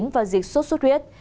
và dịch sốt xuất huyết